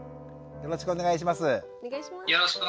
よろしくお願いします。